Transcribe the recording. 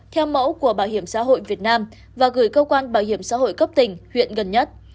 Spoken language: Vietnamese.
theo mẫu của bảo hiểm xã hội việt nam và gửi cơ quan bảo hiểm xã hội cấp tỉnh huyện gần nhất